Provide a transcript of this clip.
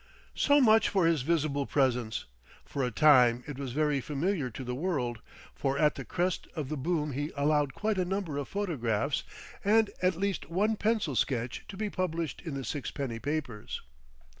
So much for his visible presence. For a time it was very familiar to the world, for at the crest of the boom he allowed quite a number of photographs and at least one pencil sketch to be published in the sixpenny papers.